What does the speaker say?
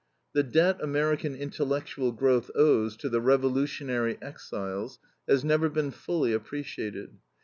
The debt American intellectual growth owes to the revolutionary exiles has never been fully appreciated.